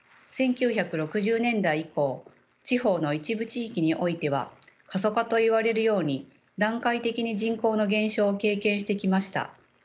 １９６０年代以降地方の一部地域においては過疎化といわれるように段階的に人口の減少を経験してきました。